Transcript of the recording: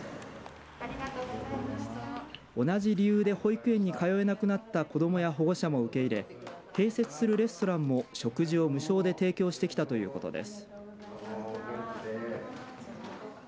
同じ理由で保育園に通えなくなった子どもや保護者も受け入れ併設するレストランも食事を無償で提供してきたということです。